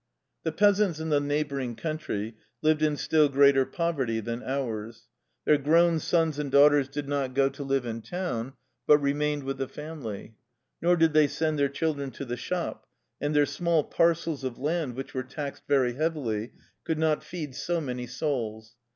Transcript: The peasants in the neighboring country lived in still greater poverty than ours. Their grown sons and daughters did not go to live in town, but remained with the family ; nor did they send their children to the shop; and their small par cels of land, which were taxed very heavily, could not feed so many " souls."